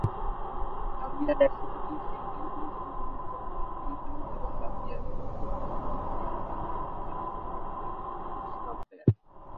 গাম্বিয়ার রাষ্ট্রপতি সেই তেল অনুসন্ধানের জন্য ফিলিপাইন এবং গাম্বিয়ার যৌথ অনুসন্ধানের বিষয়ে ফিলিপাইনের রাষ্ট্রপতিকে প্রস্তাব দেন।